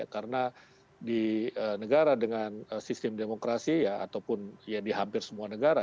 karena di negara dengan sistem demokrasi ya ataupun di hampir semua negara